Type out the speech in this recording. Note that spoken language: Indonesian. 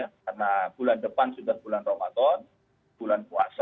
karena bulan depan sudah bulan ramadan bulan puasa